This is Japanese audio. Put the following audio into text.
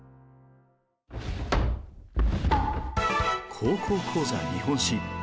「高校講座日本史」。